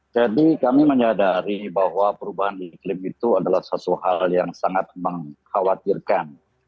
jadi kami menyadari bahwa perubahan iklim itu adalah sesuatu hal yang sangat mengkhawatirkan